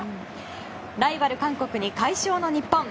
ライバル韓国に快勝の日本。